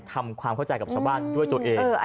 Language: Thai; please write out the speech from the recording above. ทำความเข้าใจกับชาวบ้านด้วยตัวเอง